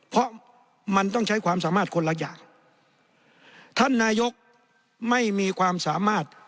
เพราะมันต้องใช้ความสามารถคนละอย่างท่านนายกไม่มีความสามารถ